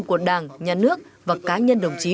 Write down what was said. của đảng nhà nước và cá nhân đồng chí